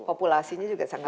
populasinya juga sangat menaruh